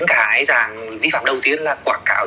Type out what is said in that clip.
cái dàng vi phạm đầu tiên là quảng cáo